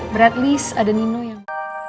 berat list ada nino yang